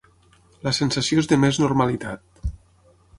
La sensació és de més normalitat.